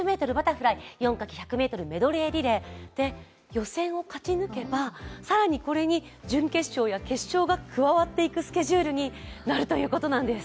予選を勝ち抜けば、更にこれに準決勝や決勝が加わっていくスケジュールになるということなんです。